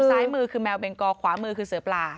ซ้ายมือคือแมวเบงกอขวามือคือเสือปลา